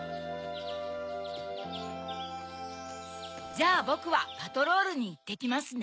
じゃあボクはパトロールにいってきますね。